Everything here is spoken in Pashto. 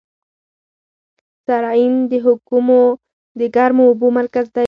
سرعین د ګرمو اوبو مرکز دی.